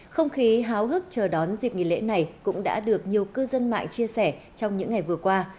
không khí háo hức chờ đón dịp nghỉ lễ này cũng đã được nhiều cư dân mạng chia sẻ trong những ngày vừa qua